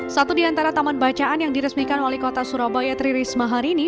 satu di antara taman bacaan yang diresmikan wali kota surabaya tri risma hari ini